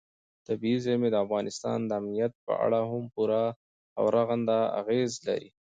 طبیعي زیرمې د افغانستان د امنیت په اړه هم پوره او رغنده اغېز لري.